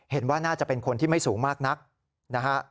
เห็นว่าน่าจะเป็นคนที่ไม่สูงมากนักนะฮะ